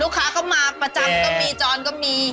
ลูกค้าก็มาประจำก็มีจรก็มี